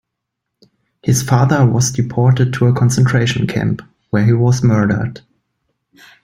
His father was deported to a concentration camp, where he was murdered.